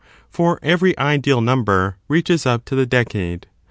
for every ideal number reaches up to the decade.